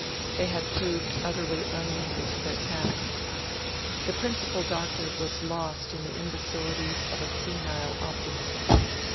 They had proved utterly unequal to their task. The principal doctor was lost in the imbecilities of a senile optimism.